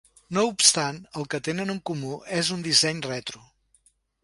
No obstant, el que tenen en comú és un disseny retro.